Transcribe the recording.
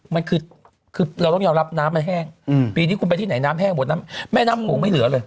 มันคือเราต้องยอมรับน้ำมันแห้งปีนี้คุณไปที่ไหนน้ำแห้งหมดน้ำแม่น้ำโขงไม่เหลือเลย